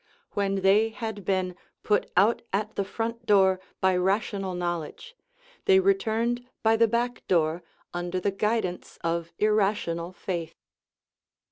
When they had been put out at the front door by rational knowledge they returned by the back door under the guidance of irrational faith.